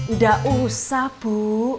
nggak usah bu